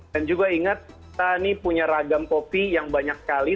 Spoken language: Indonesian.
dan juga ingat kita ini punya ragam kopi yang banyak sekali